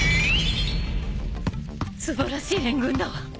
素晴らしい援軍だわ。